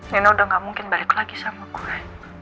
nino udah gak mungkin balik lagi sama korea